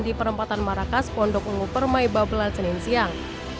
di perempatan marrakas pondok ungu permai babelan senin siang